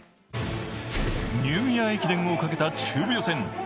ニューイヤー駅伝をかけた中部予選。